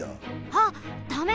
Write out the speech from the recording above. あっダメ！